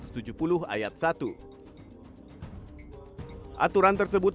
aturan tersebut mengatakan bahwa